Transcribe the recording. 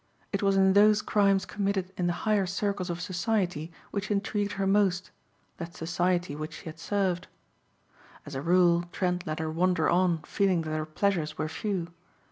It was in those crimes committed in the higher circles of society which intrigued her most, that society which she had served. As a rule Trent let her wander on feeling that her pleasures were few.